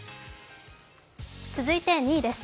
続いて２位です。